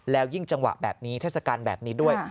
แล้วยิ่งจังหวะแบบนี้เทศกาลแบบนี้ด้วย